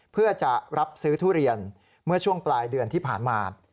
เพื่อจะรับซื้อทุเรียนเมื่อช่วงปลายเดือนที่ผ่านมา